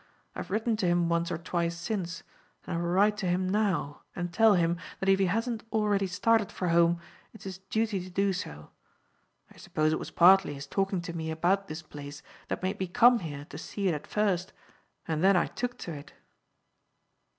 I have written to him once or twice since, and I will write to him now and tell him that if he hasn't already started for home, it's his duty to do so. I suppose it was partly his talking to me about this place that made me come here to see it at first, and then I took to it."